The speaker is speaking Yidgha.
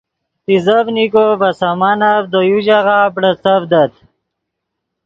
تیزڤنیکو ڤے سامانف دے یو ژاغہ بڑیڅڤدت